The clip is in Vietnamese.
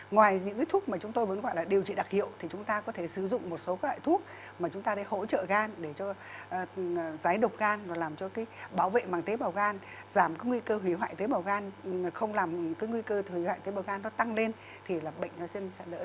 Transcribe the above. ngoài những cái thuốc mà chúng tôi vẫn gọi là điều trị đặc hiệu thì chúng ta có thể sử dụng một số loại thuốc mà chúng ta để hỗ trợ gan để cho giái độc gan và làm cho cái bảo vệ bằng tế bào gan giảm cái nguy cơ hủy hoại tế bào gan không làm cái nguy cơ hủy hoại tế bào gan nó tăng lên thì là bệnh nó sẽ lỡ dần dần